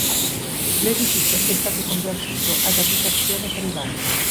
L'edificio è stato convertito ad abitazione privata.